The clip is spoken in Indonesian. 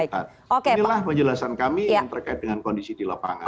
nah inilah penjelasan kami yang terkait dengan kondisi di lapangan